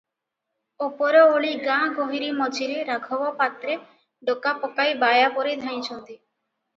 ଉପର ଓଳି ଗାଁ ଗୋହିରୀ ମଝିରେ ରାଘବ ପାତ୍ରେ ଡକା ପକାଇ ବାୟା ପରି ଧାଇଁଛନ୍ତି ।